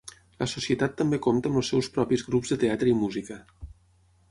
La Societat també compta amb els seus propis grups de teatre i música.